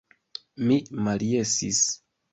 Mi maljesis.